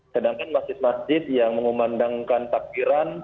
sedangkan masjid masjid yang mengumandangkan takbiran